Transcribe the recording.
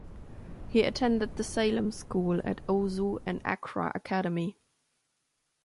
He attended "The Salem School" at Osu and Accra Academy.